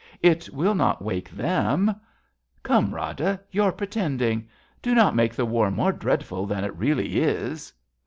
It will not wake them. .,. Come, Rada, you're pretending ! Do not make The war more dreadful than it really is.